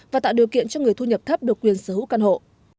và tạo điều kiện cho người thu nhập thấp được quyền sở hữu căn hộ